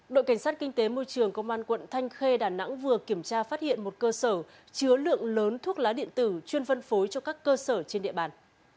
đội cảnh sát kinh tế môi trường công an quận thanh khê đà nẵng vừa kiểm tra phát hiện một cơ sở chứa lượng lớn thuốc lá điện tử chuyên phân phối cho các cơ sở trên địa bàn